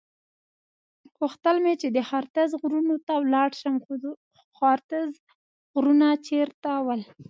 غوښتل مې چې د هارتز غرونو ته ولاړ شم، خو هارتز غرونه چېرته ول؟